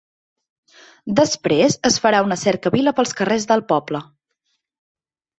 Després es farà una cercavila pels carrers del poble.